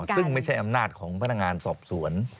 ซึ่งไม่ใช่อำนาจของพนักงานสอบสวน